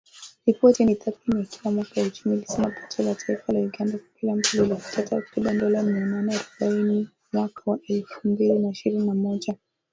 Ripoti hiyo, ni tathmini ya kila mwaka ya uchumi, ilisema pato la taifa la Uganda kwa kila mtu lilifikia takriban dola mia nane arobaini mwaka wa elfu mbili na ishirini na moja.